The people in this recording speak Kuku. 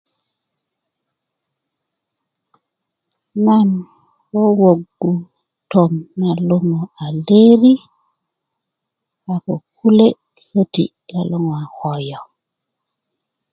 nan wowogu tom na luŋu a leri a ko kule köti luŋu a koyo